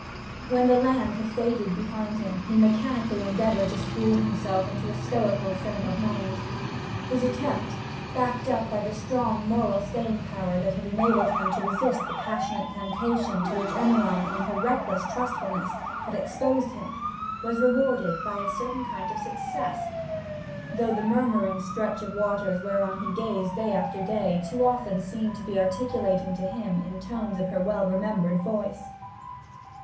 When the land had faded behind him he mechanically endeavoured to school himself into a stoical frame of mind. His attempt, backed up by the strong moral staying power that had enabled him to resist the passionate temptation to which Emmeline, in her reckless trustfulness, had exposed him, was rewarded by a certain kind of success, though the murmuring stretch of waters whereon he gazed day after day too often seemed to be articulating to him in tones of her well remembered voice.